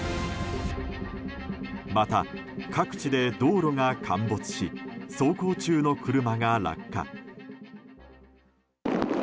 また、各地で道路が陥没し走行中の車が落下。